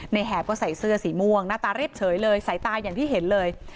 แหบก็ใส่เสื้อสีม่วงหน้าตาเรียบเฉยเลยสายตาอย่างที่เห็นเลย